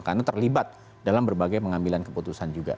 karena terlibat dalam berbagai pengambilan keputusan juga